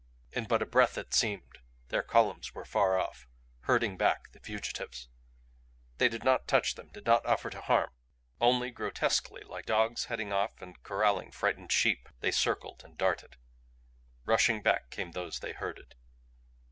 In but a breath, it seemed, their columns were far off, herding back the fugitives. They did not touch them, did not offer to harm only, grotesquely, like dogs heading off and corraling frightened sheep, they circled and darted. Rushing back came those they herded.